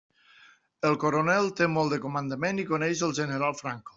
El coronel té molt de comandament i coneix el general Franco.